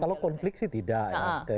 kalau konflik sih tidak